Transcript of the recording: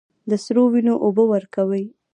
د سرو، وینو اوبه ورکوي